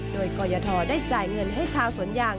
โดยกรยทได้จ่ายเงินให้ชาวสวนยาง